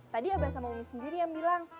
tadi abah sama umi sendiri yang bilang